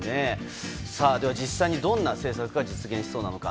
では、実際にどんな政策が実現しそうなのか。